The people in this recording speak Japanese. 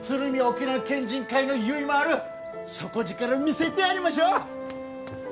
沖縄県人会のゆいまーる底力見せてやりましょう！